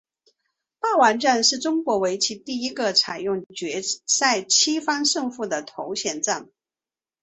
霸王战是中国围棋第一个采用决赛七番胜负的头衔战。